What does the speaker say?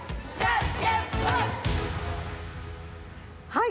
はい！